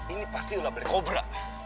ini pasti ulah balik kobra